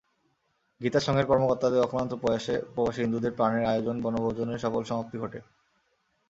গীতা সংঘের কর্মকর্তাদের অক্লান্ত প্রয়াসে প্রবাসী হিন্দুদের প্রাণের আয়োজন বনভোজনের সফল সমাপ্তি ঘটে।